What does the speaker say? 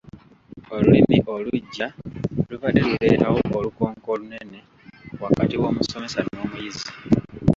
Olulimi oluggya lubadde luleetawo olukonko olunene wakati w’omusomesa n’omuyizi.